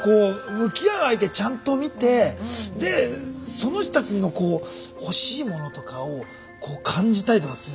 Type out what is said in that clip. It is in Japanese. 向き合う相手ちゃんと見てでその人たちのこう欲しいものとかをこう感じたりとかする。